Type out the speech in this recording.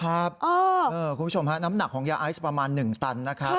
คุณผู้ชมน้ำหนักของยาไอซ์ประมาณ๑ตัน